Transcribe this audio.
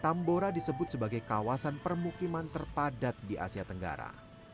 tambora disebut sebagai kawasan permukiman terpadat di asia tenggara